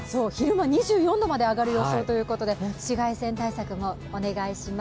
気温が２４度まで上がる予想ということで紫外線対策もお願いします。